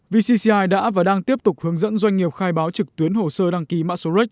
vcci đã và đang tiếp tục hướng dẫn doanh nghiệp khai báo trực tuyến hồ sơ đăng ký mã số rex